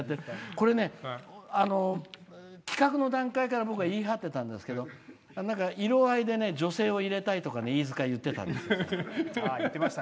これね、企画の段階から僕は言い張ってたんですけど色合いで、女性を入れたいとか飯塚は言ってたんだよ。